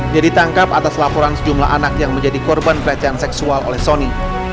dia ditangkap atas laporan sejumlah anak yang menjadi korban pelecehan seksual oleh sony